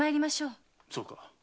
そうか。